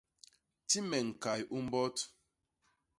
Ti me ñkay u mbot.